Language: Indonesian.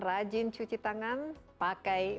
rajin cuci tangan pakai